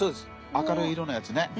明るい色のやつね。